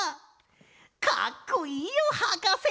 かっこいいよはかせ！